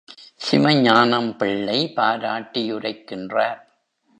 Sivagnanam Pillai பாராட்டியுரைக்கின்றார்.